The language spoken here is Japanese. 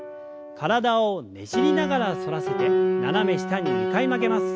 体をねじりながら反らせて斜め下に２回曲げます。